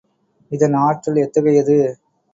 இதன் ஆற்றல் எத்தகையது?